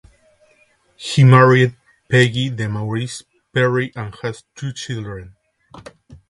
He married Peggy DeMaurice Perry and has two children.